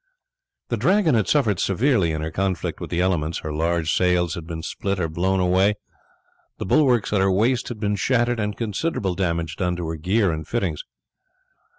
The Dragon had suffered severely in her conflict with the elements, her large sails had been split or blown away, the bulwarks at her waist had been shattered, and considerable damage done to her gear and fittings.